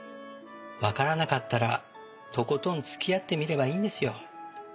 わからなかったらとことん付き合ってみればいいんですよ。